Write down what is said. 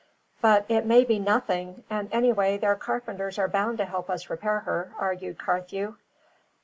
"But it may be nothing, and anyway their carpenters are bound to help us repair her," argued Carthew.